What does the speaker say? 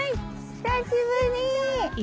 久しぶり。